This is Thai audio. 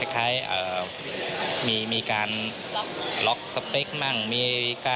คล้ายมีการล็อกสเปคมาก